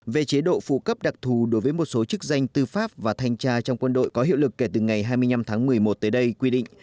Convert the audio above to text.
về chế độ phụ cấp đặc thù đối với một số chức danh tư pháp và thanh tra trong quân đội có hiệu lực kể từ ngày hai mươi năm tháng một mươi một tới đây quy định